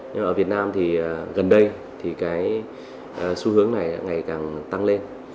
nhưng ở việt nam thì gần đây thì cái xu hướng này ngày càng tăng lên